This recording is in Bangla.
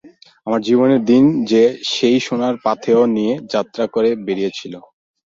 আমার জীবনের দিন যে সেই সোনার পাথেয় নিয়ে যাত্রা করে বেরিয়েছিল।